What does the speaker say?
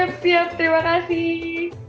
siap siap terima kasih